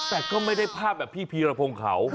แต่ก็ไม่ได้ภาพแบบพี่พีรพงศ์เขา